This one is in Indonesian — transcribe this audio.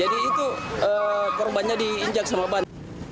jadi itu korbannya diinjak sama ban